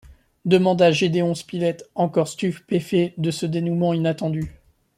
demanda Gédéon Spilett, encore stupéfait de ce dénouement inattendu.